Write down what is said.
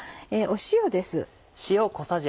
塩です。